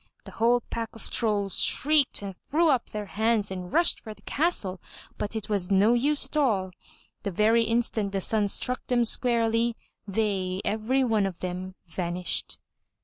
The whole pack of trolls shrieked and threw up their hands and rushed for the castle, but it was no use at all. The very instant the sun struck them squarely, they every one of them vanished.